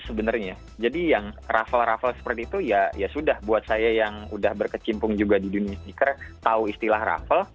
sebenarnya jadi yang raffle raffle seperti itu ya ya sudah buat saya yang udah berkecimpung juga di dunia sneaker tahu istilah raffle